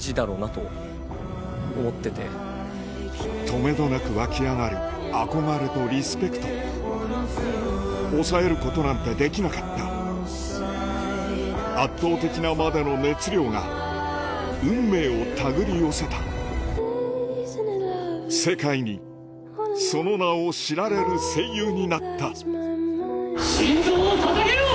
止めどなく湧き上がる憧れとリスペクト抑えることなんてできなかった圧倒的なまでの熱量が運命を手繰り寄せた世界にその名を知られる声優になった心臓を捧げよ！